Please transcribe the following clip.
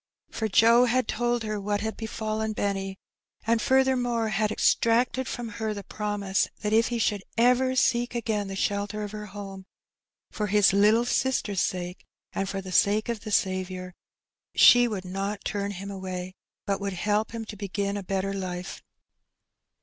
For Joe had told her what had befallen* Benny, and furthermore had extracted from her the promise that if he should ever seek again the shelter of her home, for his little sister's sake and for the sake of the Saviour, she would not turn him away, but would help him to begin a better life.